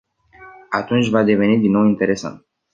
Atunci va deveni din nou interesant.